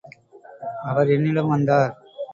அவர் என்னிடம் வந்தார்.